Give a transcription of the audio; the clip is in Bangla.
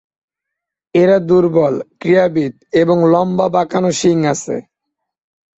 এরা দুর্বল, ক্রীড়াবিদ এবং লম্বা বাঁকানো শিং আছে।